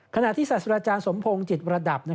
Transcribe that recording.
ขณะที่ศาสตราจารย์สมพงศ์จิตระดับ